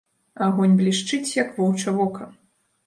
Агонь блішчыць, як воўча вока